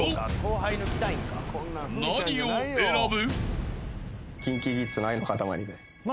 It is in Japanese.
［何を選ぶ？］